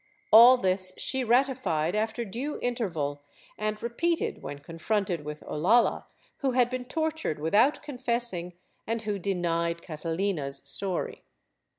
All this she ratified after due interval and repeated when confronted with Olalla, who had been tortured without confessing and who denied Catalina's story.